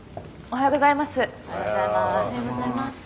おはようございます。